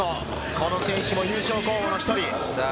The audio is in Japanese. この選手も優勝候補の１人。